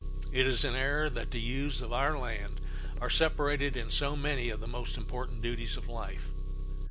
It is an error that the youths of our land are separated in so many of the most important duties of life.